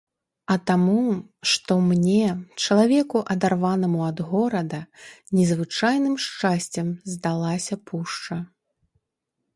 А таму, што мне, чалавеку, адарванаму ад горада, незвычайным шчасцем здалася пушча.